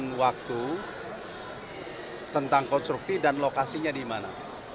dan waktu tentang konstruktif dan lokasinya di mana